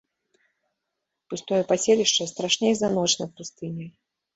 Пустое паселішча страшней за ноч над пустыняй.